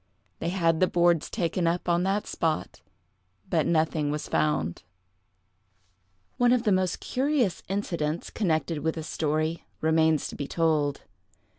They had the boards taken up on that spot, but nothing was found. One of the most curious incidents, connected with this story, remains to be told.